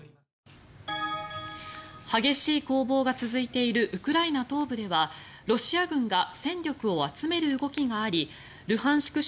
激しい攻防が続いているウクライナ東部ではロシア軍が戦力を集める動きがありルハンシク